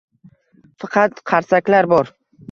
Faqat qarsaklar bor